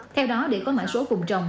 theo đó để có mã số cùng trồng